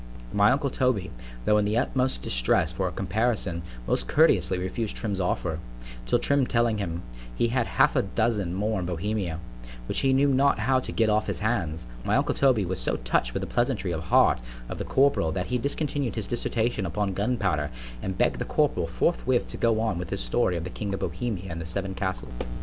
_ My uncle Toby, tho' in the utmost distress for a comparison, most courteously refused Trim's offer—till Trim telling him, he had half a dozen more in Bohemia, which he knew not how to get off his hands——my uncle Toby was so touch'd with the pleasantry of heart of the corporal——that he discontinued his dissertation upon gun powder——and begged the corporal forthwith to go on with his story of the King of Bohemia and his seven castles.